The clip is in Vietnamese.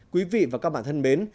quý vị và các bạn thân mến